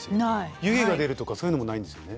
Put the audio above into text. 湯気が出るとかそういうのもないんですよね？